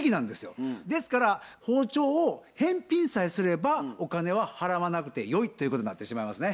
ですから包丁を返品さえすればお金は払わなくてよいということになってしまいますね。